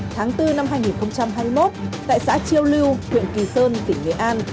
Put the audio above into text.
tháng bốn năm hai nghìn hai mươi một tại xã chiêu lưu huyện kỳ sơn tỉnh nghệ an